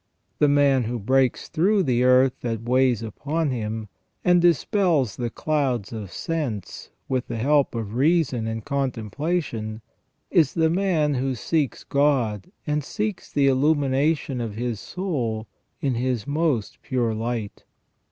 The man who breaks through the earth that weighs upon him, and dispels the clouds of sense with the help of reason and contemplation, is the man who seeks God and seeks the illumination of his soul in His most pure light.